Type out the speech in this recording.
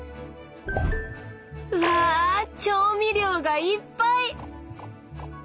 わ調味料がいっぱい！